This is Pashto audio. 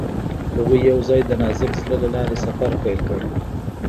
هغوی یوځای د نازک زړه له لارې سفر پیل کړ.